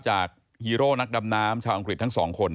ฮีโร่นักดำน้ำชาวอังกฤษทั้งสองคน